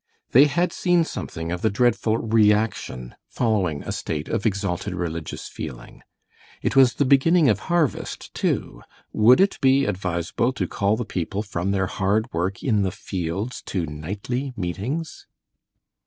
They had seen something of the dreadful reaction following a state of exalted religious feeling. It was the beginning of harvest, too. Would it be advisable to call the people from their hard work in the fields to nightly meetings?